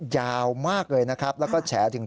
ยาวมากเลยนะครับแล้วก็แฉถึง